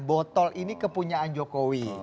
botol ini kepunyaan jokowi